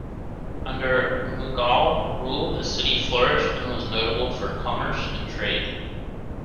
Under Mughal rule, the city flourished and was notable for commerce and trade.